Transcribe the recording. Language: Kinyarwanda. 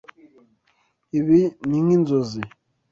Ibi ni nkinzozi.